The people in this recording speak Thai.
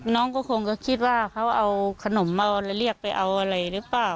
น้องก็คงก็คิดว่าเขาเอาขนมเอาแล้วเรียกไปเอาอะไรหรือเปล่า